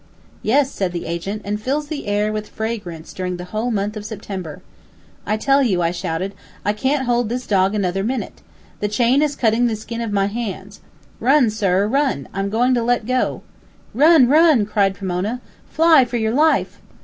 "Yes," said the agent, "and fills the air with fragrance during the whole month of September " "I tell you," I shouted, "I can't hold this dog another minute! The chain is cutting the skin off my hands. Run, sir, run! I'm going to let go!" "Run! run!" cried Pomona. "Fly for your life!"